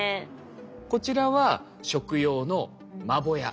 こちらは食用のマボヤ。